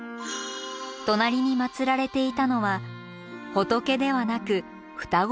隣に祀られていたのは仏ではなく双子の神。